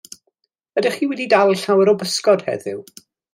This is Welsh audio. Ydych chi wedi dal llawer o bysgod heddiw?